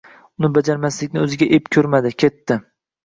Uni bajarmaslikni o’ziga ep ko’rmadi. Ketdi.